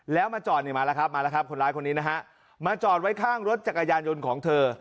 แล้วมาจอดนี่มาแล้วครับมาแล้วครับคนร้ายคนนี้นะฮะมาจอดไว้ข้างรถจักรยานยนต์ของเธอ